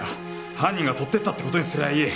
犯人が盗っていったって事にすりゃいい。